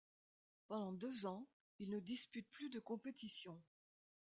Pendant deux ans, il ne dispute plus de compétition.